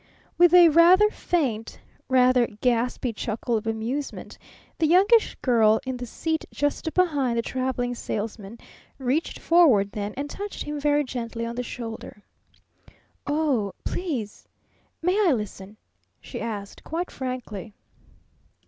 With a rather faint, rather gaspy chuckle of amusement the Youngish Girl in the seat just behind the Traveling Salesman reached forward then and touched him very gently on the shoulder. "Oh, please, may I listen?" she asked quite frankly.